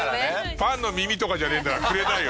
パンの耳とかじゃねえんだからくれないよ。